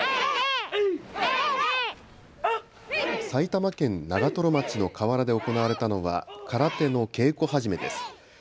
埼玉県長瀞町の河原で行われたのは空手の稽古始めです。